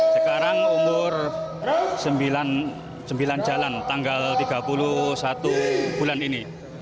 sekarang umur sembilan jalan tanggal tiga puluh satu bulan ini